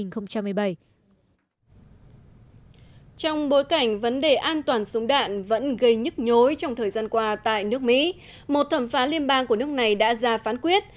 trong bối cảnh vấn đề an toàn súng đạn vẫn gây nhức nhối trong thời gian qua tại nước mỹ một thẩm phán liên bang của nước này đã ra phán quyết